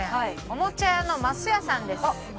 おもちゃ屋のますやさんです。